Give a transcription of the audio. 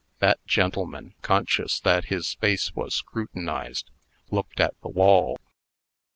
That gentleman, conscious that his face was scrutinized, looked at the wall.